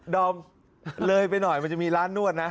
ดอมเลยไปหน่อยมันจะมีร้านนวดนะ